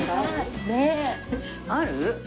ある？